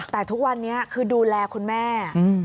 แต่ทุกวันนี้คือดูแลคุณแม่